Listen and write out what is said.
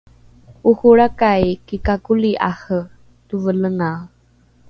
oholrakai kikakoli’are tovelengae